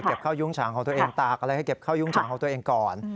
ข้าวยุ้งฉางของตัวเองตากอะไรให้เก็บข้าวยุ้งฉางของตัวเองก่อน